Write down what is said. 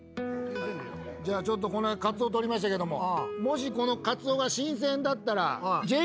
じゃあちょっとカツオ取りましたけども。